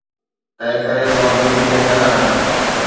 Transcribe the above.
تنهنڪري مان جلدي ۾ نه آهيان.